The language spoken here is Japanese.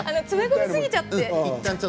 詰め込みすぎちゃって。